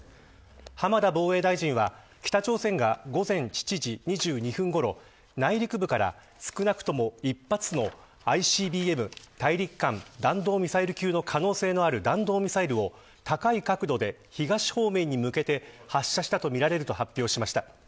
浜田防衛大臣は北朝鮮が、午前７時２５分ごろ内陸部から少なくとも一発のＩＣＢＭ大陸間弾道ミサイル級の可能性のある弾道ミサイルを高い角度で東方面に向けて発射したとみられると発表しました。